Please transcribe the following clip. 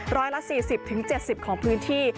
ร้อยละ๔๐๗๐ของพื้นที่